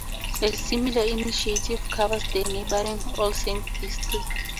A similar initiative covers the neighbouring All Saints district.